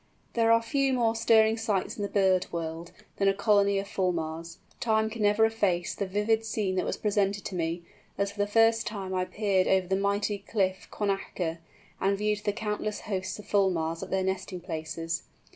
There are few more stirring sights in the bird world, than a colony of Fulmars. Time can never efface the vivid scene that was presented to me, as for the first time I peered over the mighty cliff Connacher, and viewed the countless hosts of Fulmars at their nesting places.